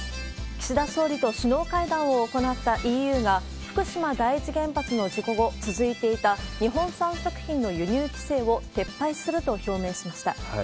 岸田総理と首脳会談を行ったＥＵが、福島第一原発の事故後続いていた、日本産食品の輸入規制を撤廃すると表明しました。